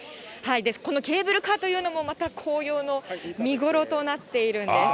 このケーブルカーというのも、また紅葉の見頃となっているんです。